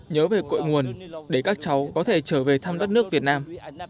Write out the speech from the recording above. nhớ về cội nguồn để các cháu có thể trở về thăm đất nước việt nam